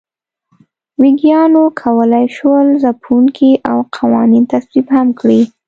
ویګیانو کولای شول ځپونکي او قوانین تصویب هم کړي.